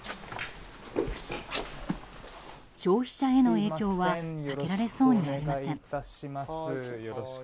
消費者への影響は避けられそうにありません。